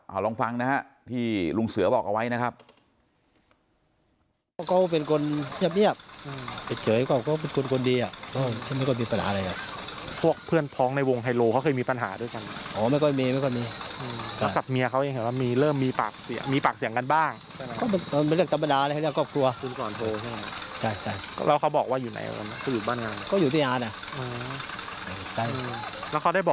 เอาลองฟังนะฮะที่ลุงเสือบอกเอาไว้นะครับ